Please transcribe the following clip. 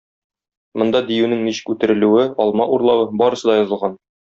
Монда диюнең ничек үтерелүе, алма урлавы - барысы да язылган.